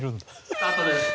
スタートです。